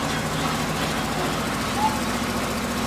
万历十年壬午科湖广乡试举人。